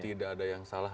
tidak ada yang salah